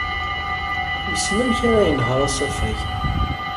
Yessen amek ara yenheṛ asafag.